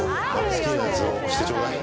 好きなやつ押してちょうだい。